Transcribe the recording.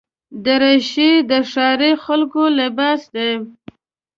دریشي د ښاري خلکو لباس دی.